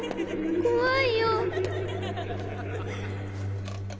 怖いよ。